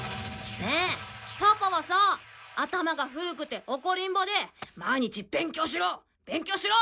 ねえパパはさ頭が古くて怒りんぼで毎日勉強しろ！